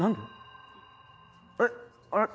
えっあれ？